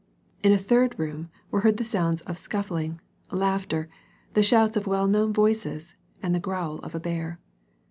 In a third room, were heard the sounds of scuffling, laughter, the shouts of well known voices, and the growl of a bear.